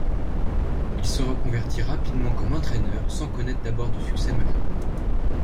Il se reconvertit rapidement comme entraîneur, sans connaître d'abord de succès majeur.